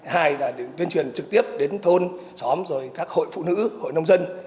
hai là tuyên truyền trực tiếp đến thôn xóm rồi các hội phụ nữ hội nông dân